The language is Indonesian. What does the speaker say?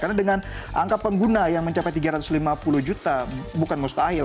karena dengan angka pengguna yang mencapai tiga ratus lima puluh juta bukan mustahil